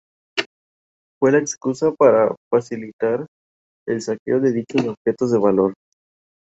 Su dignidad de duque le permitiría gobernar esa región casi como soberano.